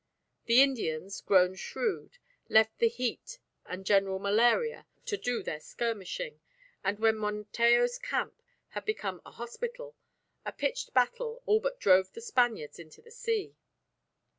The Indians, grown shrewd, left the heat and General Malaria to do their skirmishing, and when Montejo's camp had become a hospital, a pitched battle all but drove the Spaniards into the sea.